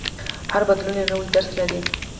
هر بدلون یو نوی درس لري.